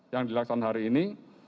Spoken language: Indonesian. yang dilaksanakan hari ini